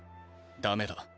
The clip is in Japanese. ダメだ。